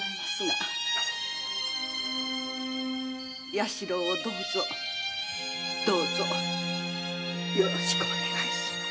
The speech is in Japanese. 弥四郎をどうぞどうぞよろしくお願い致します。